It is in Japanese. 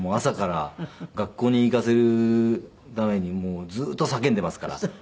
朝から学校に行かせるためにもうずっと叫んでますから。